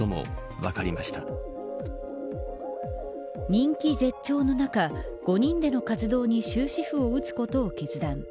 人気絶頂の中５人での活動に終止符を打つことを決断。